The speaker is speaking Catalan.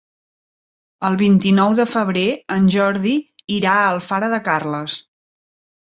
El vint-i-nou de febrer en Jordi irà a Alfara de Carles.